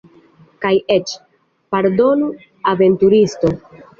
Kaj eĉ, pardonu, aventuristo.